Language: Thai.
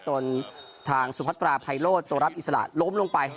จริงจริงนะครับตรงทางสุภาษาไพโลตตัวรับอิสระล้มลงไป